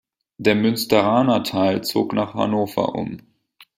Der Münsteraner Teil zog nach Hannover um.